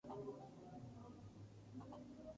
Frecuente en España.